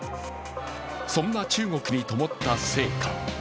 そんな中国にともった聖火。